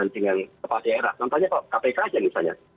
contohnya kalau kpk saja misalnya